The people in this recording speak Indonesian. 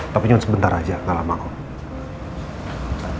tapi cuma sebentar aja gak lama kok